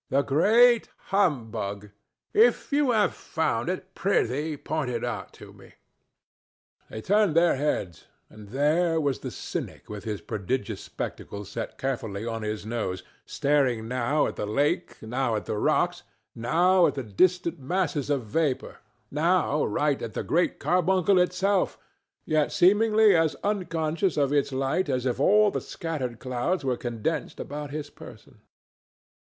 "The great humbug! If you have found it, prithee point it out to me." They turned their heads, and there was the cynic with his prodigious spectacles set carefully on his nose, staring now at the lake, now at the rocks, now at the distant masses of vapor, now right at the Great Carbuncle itself, yet seemingly as unconscious of its light as if all the scattered clouds were condensed about his person.